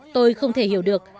tôi không thể hiểu được